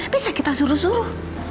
bisa kita suruh suruh